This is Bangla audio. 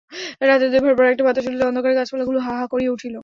রাত্রি দুই প্রহরের পর একটা বাতাস উঠিল, অন্ধকারে গাছপালাগুলা হা হা করিয়া উঠিল।